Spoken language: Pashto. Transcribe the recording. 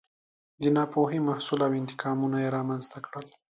د ناپوهۍ محصول و او انتقامونه یې رامنځته کړل.